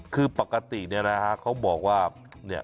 คือปกตินะ๋เขาบอกว่า